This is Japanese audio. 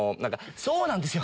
そうなんですよ